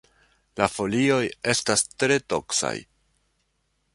La folioj estas tre toksaj.